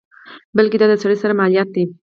بلکې دا د سړي سر مالیات دي.